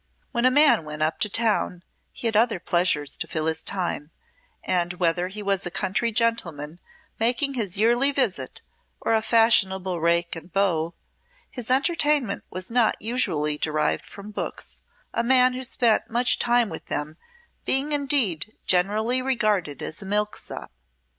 When a man went up to town he had other pleasures to fill his time, and whether he was a country gentleman making his yearly visit or a fashionable rake and beau, his entertainment was not usually derived from books, a man who spent much time with them being indeed generally regarded as a milksop.